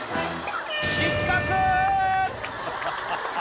失格！